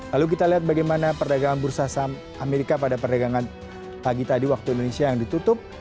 lalu kita lihat bagaimana perdagangan bursa saham amerika pada perdagangan pagi tadi waktu indonesia yang ditutup